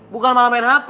bukan malah main hp